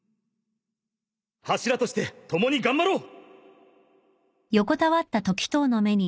柱として共に頑張ろう！